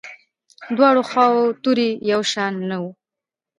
دواړو خواوو توري یو شان نه وو.